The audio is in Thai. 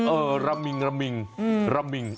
เออรามิง